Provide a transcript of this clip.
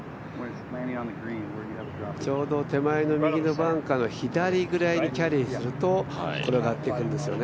ちょうど手前の右のバンカーの左ぐらいにキャリーすると転がっていくんですよね。